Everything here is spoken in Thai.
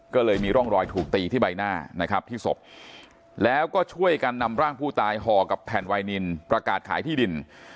ก็เลยมีร่องรอยถูกตีที่ใบหน้านะครับที่ศพแล้วก็ช่วยกันนำร่างผู้ตายห่อกับแผ่นวายนินประกาศขายที่ดิน